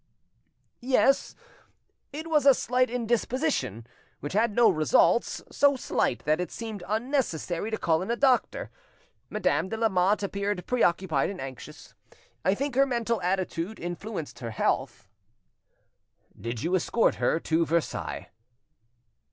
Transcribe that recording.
"Yes, it was a slight indisposition, which had no results, so slight that it seemed unnecessary to call in a doctor. Madame de Lamotte appeared preoccupied and anxious. I think her mental attitude influenced her health." "Did you escort her to Versailles?"